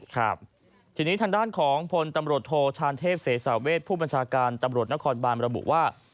ครับทีนี้ทางด้านของพลตำรวจโทชานเทพเสสาเวทผู้บัญชาการตำรวจนครบานระบุว่า